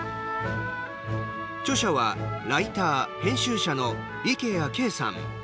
著者は、ライター・編集者の池谷啓さん。